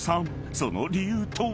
その理由とは？］